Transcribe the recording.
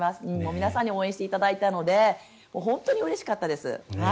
皆さんに応援していただいたので本当にうれしかったです。